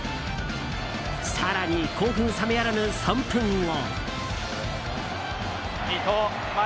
更に興奮冷めやらぬ３分後。